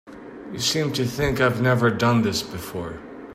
You seem to think I've never done this before.